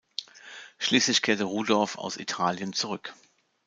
Schließlich kehrte Rudorff aus Italien zurück.